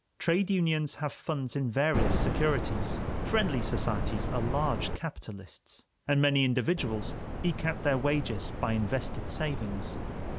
Trade unions have funds in various securities; friendly societies are large capitalists; and many individuals eke out their wages by invested savings.